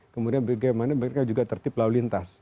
kemudian bagaimana mereka juga tertip lalu lintas